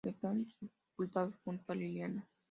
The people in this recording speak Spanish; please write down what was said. Están sepultados junto a Liliana.